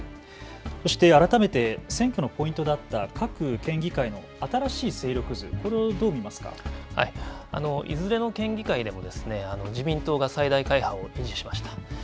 そして、改めて選挙のポイントであった各県議会の新しい勢力図、いずれの県議会でも、自民党が最大会派を維持しました。